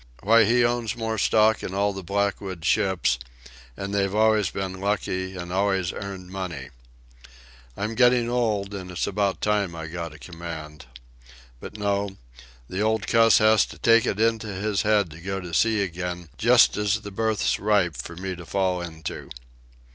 Why, he owns more stock in all the Blackwood ships ... and they've always been lucky and always earned money. I'm getting old, and it's about time I got a command. But no; the old cuss has to take it into his head to go to sea again just as the berth's ripe for me to fall into."